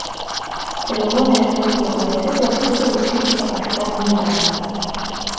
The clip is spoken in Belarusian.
Чырвоныя шырокія паясы заўсёды лічыліся каштоўным дарам.